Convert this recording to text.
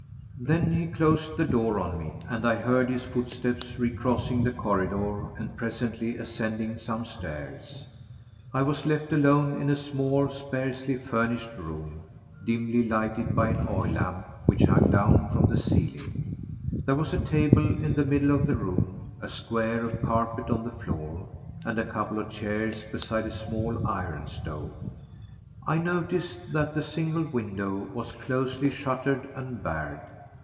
Then he closed the door on me, and I heard his footsteps recrossing the corridor and presently ascending some stairs. I was left alone in a small, sparsely furnished room, dimly lighted by an oil lamp which hung down from the ceiling. There was a table in the middle of the room, a square of carpet on the floor, and a couple of chairs beside a small iron stove. I noticed that the single window was closely shuttered and barred.